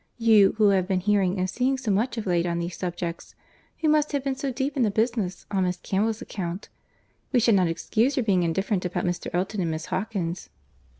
You, who have been hearing and seeing so much of late on these subjects, who must have been so deep in the business on Miss Campbell's account—we shall not excuse your being indifferent about Mr. Elton and Miss Hawkins."